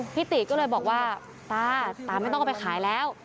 พี่ติก็เลยบอกว่าตาตาไม่ต้องเอาไปขายแล้ว